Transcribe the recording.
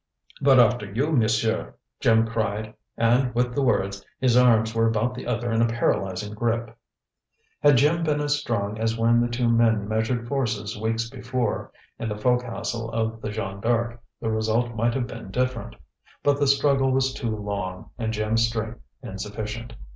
"But after you, Monsieur!" Jim cried, and with the words, his arms were about the other in a paralyzing grip. Had Jim been as strong as when the two men measured forces weeks before, in the fo'cas'le of the Jeanne D'Arc, the result might have been different. But the struggle was too long, and Jim's strength insufficient.